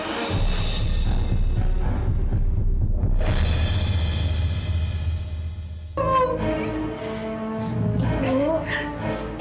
tuhan itu perlu dis impartikan kestadian dirimu